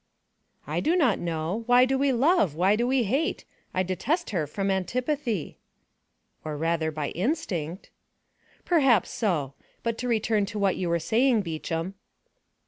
"I do not know. Why do we love? Why do we hate? I detest her, from antipathy." "Or, rather, by instinct." "Perhaps so. But to return to what you were saying, Beauchamp."